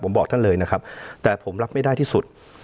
ผมบอกท่านเลยนะครับแต่ผมรับไม่ได้ที่สุด